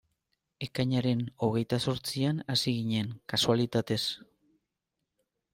Ekainaren hogeita zortzian hasi ginen, kasualitatez.